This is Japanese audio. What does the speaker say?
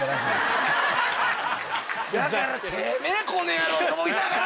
だからてめぇこの野郎！と思いながら。